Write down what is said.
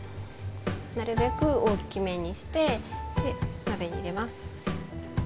なるべく大きめにして鍋に入れます。